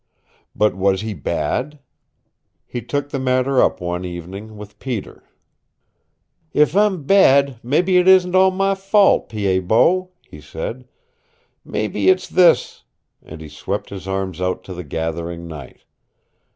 But was he bad? He took the matter up one evening, with Peter. "If I'm bad, mebby it isn't all my fault, Pied Bot," he said. "Mebby it's this " and he swept his arms out to the gathering night.